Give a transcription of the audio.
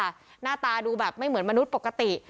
หน้าตาดูแบบไม่เหมือนมนุษย์ปกติ